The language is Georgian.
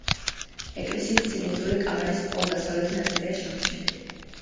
ეკლესიის ცილინდრული კამარის მხოლოდ დასავლეთი ნაწილია შემორჩენილი.